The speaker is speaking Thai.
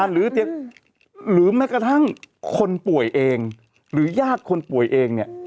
หรือแม้กระทั่งคนป่วยเองหรือญาติคนป่วยเองเนี่ย